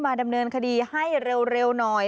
ดำเนินคดีให้เร็วหน่อย